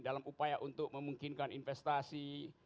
dalam upaya untuk memungkinkan investasi